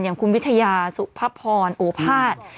อย่างคุณวิทยาสุพพรณโอภาต